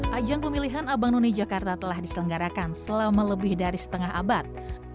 hai ajang pemilihan abang nune jakarta telah diselenggarakan selama lebih dari setengah abad